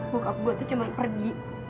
bokap gue tuh cuma pergi